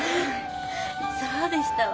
そうでしたわ。